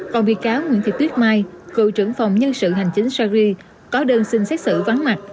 còn bị cáo nguyễn thị tuyết mai cựu trưởng phòng nhân sự hành chính sari có đơn xin xét xử vắng mặt